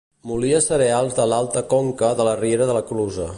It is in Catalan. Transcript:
Molia cereals de l'alta conca de la riera de la clusa.